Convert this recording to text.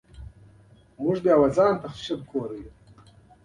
مځکه موږ ته درس راکوي.